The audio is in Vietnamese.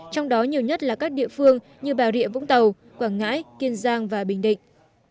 trong đó nhiều nhất là các địa phương như bà rịa vũng tàu quảng ngãi kiên giang và bình định